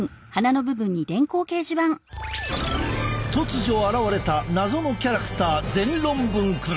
突如現れた謎のキャラクター全論文くん！